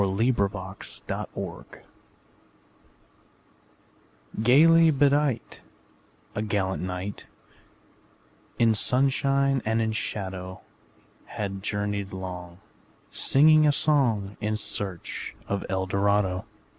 Edgar Allan Poe Eldorado GAYLY bedight, A gallant knight, In sunshine and in shadow, Had journeyed long, Singing a song, In search of Eldorado.